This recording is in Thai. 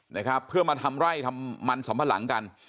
นะครับเพื่อมาทำไร่ทำมันสำปะหลังกัน